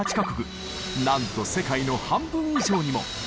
なんと世界の半分以上にも。